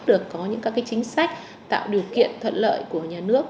được có những các chính sách tạo điều kiện thuận lợi của nhà nước